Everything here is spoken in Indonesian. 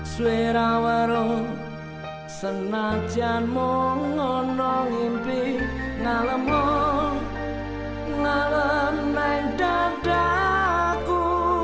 suara warung senajanmu ngonong impi ngalamu ngalam meneng dadaku